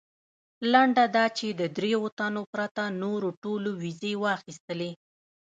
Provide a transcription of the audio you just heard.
لنډه دا چې د درېیو تنو پرته نورو ټولو ویزې واخیستلې.